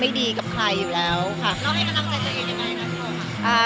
ไม่ดีกับใครอยู่แล้วค่ะ